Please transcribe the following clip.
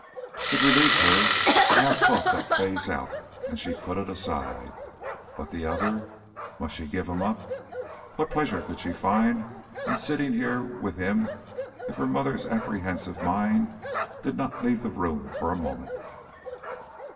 It relieved her to have thought that phase out, and she put it aside. But the other? Must she give him up? What pleasure could she find in sitting here with him if her mother's apprehensive mind did not leave the room for a moment?